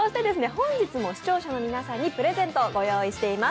本日も視聴者の皆さんにプレゼントを用意しています。